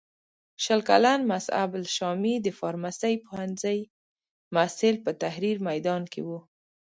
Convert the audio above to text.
شل کلن مصعب الشامي د فارمسۍ پوهنځي محصل په تحریر میدان کې و.